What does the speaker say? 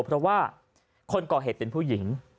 เพราะว่าคนก่อเหตุเป็นผู้หญิง